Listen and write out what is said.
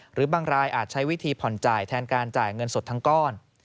หรือบางรายอาจใช้วิธีผ่อนจ่ายแทนการจ่ายเงินสดทั้งก้อน